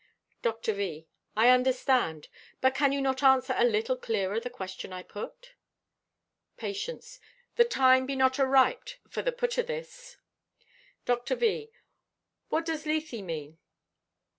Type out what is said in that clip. Dr. V.—"I understand; but can you not answer a little clearer the question I put?" Patience.—"The time be not ariped for the put o' this." Dr. V.—"What does Lethe mean?"